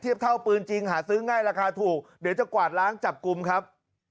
เท่าปืนจริงหาซื้อง่ายราคาถูกเดี๋ยวจะกวาดล้างจับกลุ่มครับ